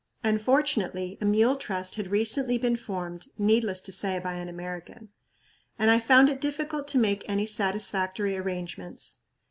Unfortunately, a "mule trust" had recently been formed needless to say, by an American and I found it difficult to make any satisfactory arrangements.